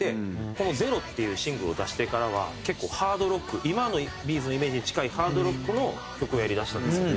この『ＺＥＲＯ』っていうシングルを出してからは結構ハードロック今のＢ’ｚのイメージに近いハードロックの曲をやりだしたんですよ。